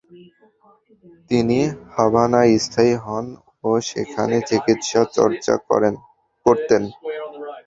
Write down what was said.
তিনি হাভানায় স্থায়ী হন ও সেখানে চিকিৎসা চর্চা করতেন।